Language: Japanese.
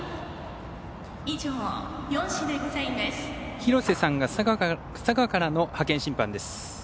廣瀬さんが佐賀からの派遣審判です。